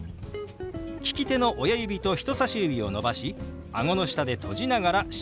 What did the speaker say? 利き手の親指と人さし指を伸ばしあごの下で閉じながら下へ動かします。